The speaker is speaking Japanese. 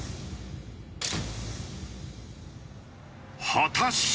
果たして。